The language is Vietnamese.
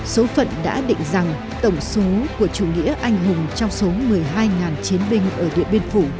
số phận đã định rằng tổng số của chủ nghĩa anh hùng trong số một mươi hai chiến binh ở điện biên phủ